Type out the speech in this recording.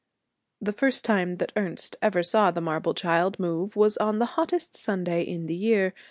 The first time that Ernest ever saw the marble child move was on the hottest Sunday in the year.